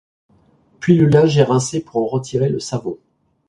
Puis le linge est rincé pour en retirer le savon.